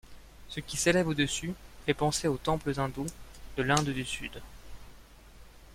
Ce qui s’élève au-dessus fait penser aux temples hindous de l’Inde du Sud.